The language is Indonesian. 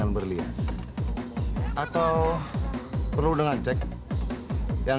saya bisa berhenti disini